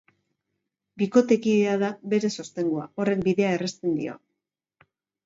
Bikotekidea da bere sostengua, horrek bidea errezten dio.